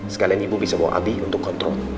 sekalian ibu bisa bawa abi untuk kontrol